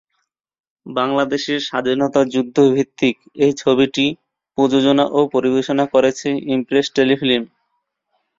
বাংলাদেশের স্বাধীনতা যুদ্ধ ভিত্তিক এই ছবিটি প্রযোজনা ও পরিবেশনা করেছে ইমপ্রেস টেলিফিল্ম।